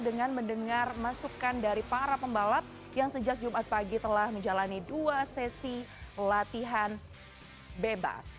dengan mendengar masukan dari para pembalap yang sejak jumat pagi telah menjalani dua sesi latihan bebas